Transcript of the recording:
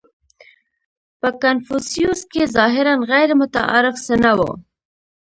• په کنفوسیوس کې ظاهراً غیرمتعارف څه نهو.